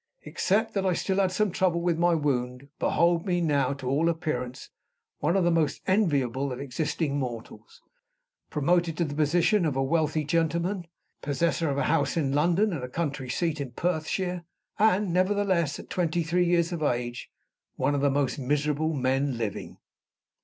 Except that I still had some trouble with my wound, behold me now to all appearance one of the most enviable of existing mortals; promoted to the position of a wealthy gentleman; possessor of a house in London and of a country seat in Perthshire; and, nevertheless, at twenty three years of age, one of the most miserable men living!